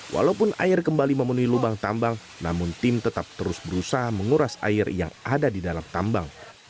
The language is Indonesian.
walaupun air kembali memenuhi lubang tambang namun tim tetap terus berusaha menguras air yang ada di dalam tambang